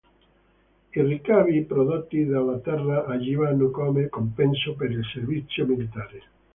I ricavi prodotti dalla terra agivano come compenso per il servizio militare.